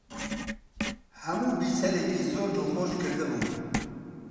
هەموو بیسەرێکی زۆر دڵخۆش کردبوو